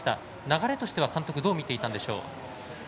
流れとしては監督はどう見ていたんでしょう。